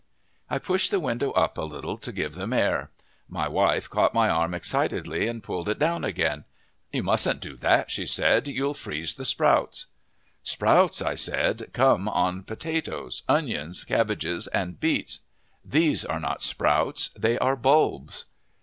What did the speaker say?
I pushed the window up a little to give them air. My wife caught my arm excitedly and pulled it down again. "You mustn't do that," she said; "you'll freeze the sprouts!" "Sprouts," I said, "come on potatoes, onions, cabbages, and beets. These are not sprouts; they are bulbs!"